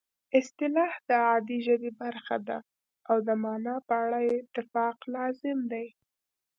اصطلاح د عادي ژبې برخه ده او د مانا په اړه اتفاق لازم دی